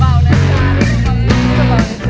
ว้าวไม่เบานะ